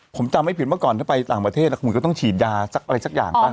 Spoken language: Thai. ผมจะไม่ผิดว่าก่อนถ้าไปต่างประเทศคุณก็ต้องฉีดยาอะไรสักอย่าง